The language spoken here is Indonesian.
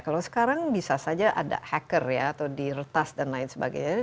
kalau sekarang bisa saja ada hacker ya atau diretas dan lain sebagainya